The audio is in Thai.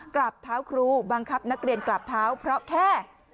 กลับเท้าครูบังคับนักเรียนกราบเท้าเพราะแค่